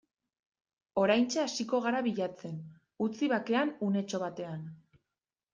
Oraintxe hasiko gara bilatzen, utzi bakean unetxo batean.